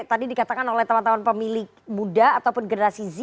tadi dikatakan oleh teman teman pemilik muda ataupun generasi z